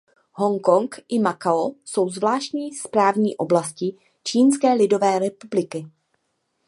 Hongkong a Macao jsou zvláštní správní oblasti Čínské lidové republiky.